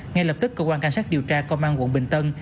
ngay lập tức cơ quan cảnh sát điều tra công an quận bình tân